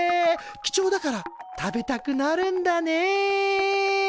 貴重だから食べたくなるんだね。